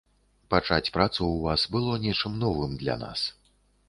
Пачаць працу ў вас было нечым новым для нас.